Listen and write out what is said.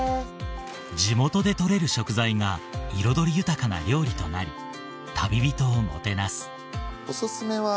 地元で取れる食材が彩り豊かな料理となり旅人をもてなすオススメは。